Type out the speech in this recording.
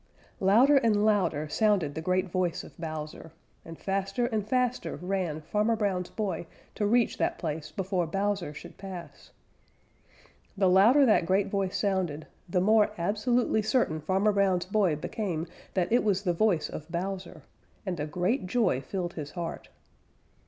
Louder and louder sounded the great voice of Bowser, and faster and faster ran Farmer Brown's boy to reach that place before Bowser should pass. The louder that great voice sounded, the more absolutely certain Farmer Brown's boy became that it was the voice of Bowser, and a great joy filled his heart.